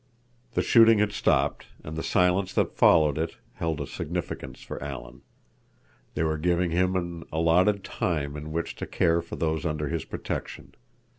The shooting had stopped, and the silence that followed it held a significance for Alan. They were giving him an allotted time in which to care for those under his protection.